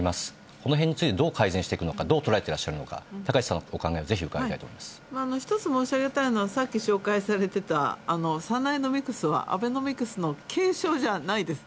このへんについてどう改善していくのか、どうとらえていらっしゃるのか高市さんのお考えをぜひ伺いたいと一つ申し上げたいのは、さっき紹介されてたサナエノミクスはアベノミクスの継承じゃないです。